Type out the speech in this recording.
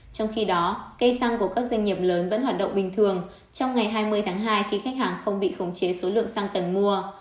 trong khi đó cây xăng của các doanh nghiệp lớn vẫn hoạt động bình thường trong ngày hai mươi tháng hai khi khách hàng không bị khống chế số lượng xăng tần mua